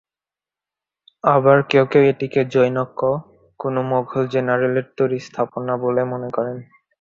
আবার কেউ কেউ এটিকে জনৈক কোন মুঘল জেনারেলের তৈরি স্থাপনা বলে মনে করেন।